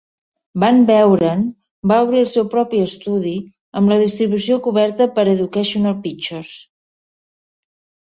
Van Beuren va obrir el seu propi estudi, amb la distribució coberta per Educational Pictures.